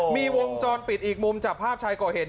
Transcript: มีวงจรปิดอีกมุมจับภาพชายก่อเหตุ